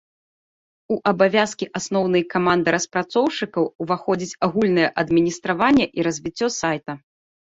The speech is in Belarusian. У абавязкі асноўнай каманды распрацоўшчыкаў уваходзіць агульнае адміністраванне і развіццё сайта.